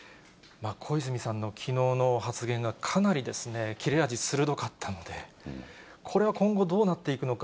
小泉さんのきのうの発言がかなり切れ味鋭かったので、これは今後、どうなっていくのか。